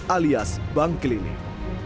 alias bank keliling